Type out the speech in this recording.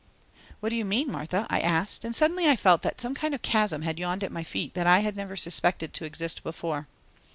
"What do you mean, Martha?" I asked, and suddenly I felt that some kind of chasm had yawned at my feet that I had never suspected to exist before.